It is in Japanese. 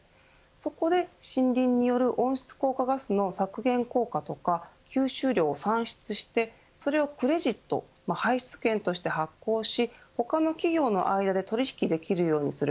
そこで森林による温室効果ガスの削減効果とか吸収量を算出してそれをクレジット排出権として発行し他の企業の間で取引できるようにする。